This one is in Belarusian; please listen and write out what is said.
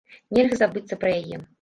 Нельга забыцца пра яе.